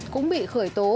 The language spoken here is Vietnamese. cũng bị khởi tố